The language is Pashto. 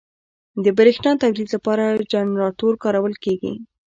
د برېښنا تولید لپاره جنراتور کارول کېږي.